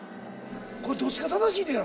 これどっちが正しいねやろ？